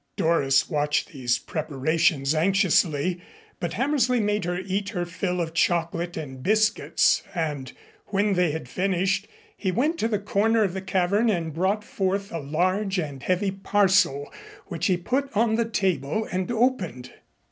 Doris watched these preparations anxiously, but Hammersley made her eat her fill of chocolate and biscuits and when they had finished, he went to the corner of the cavern and brought forth a large and heavy parcel which he put on the table and opened.